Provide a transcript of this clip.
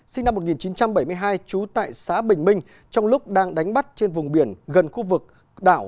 sinh năm một nghìn chín trăm bảy mươi hai trú tại xã bình minh trong lúc đang đánh bắt trên vùng biển gần khu vực đảo